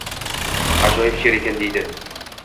– Ajoyib she’r ekan, – deydi.